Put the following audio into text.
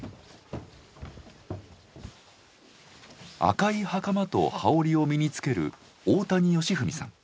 赤いはかまと羽織を身につける大谷芳史さん。